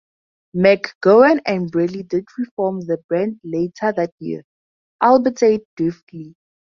MacGowan and Bradley did reform the band later that year, albeit briefly.